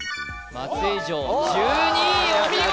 松江城１２位お見事！